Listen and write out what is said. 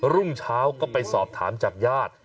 รุ่งเช้าก็ไปสอบถามจากญาติ